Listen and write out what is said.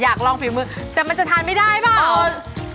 อยากลองฝีมือแต่มันจะทานไม่ได้เปล่า